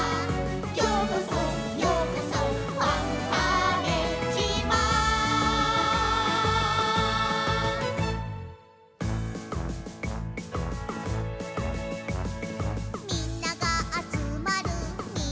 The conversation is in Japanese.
「ようこそようこそファンターネ島」「みんながあつまるみなとまち」